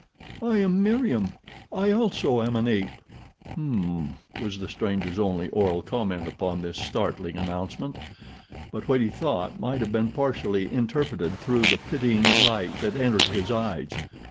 "I am Meriem. I, also, am an ape." "M m," was the stranger's only oral comment upon this startling announcement; but what he thought might have been partially interpreted through the pitying light that entered his eyes.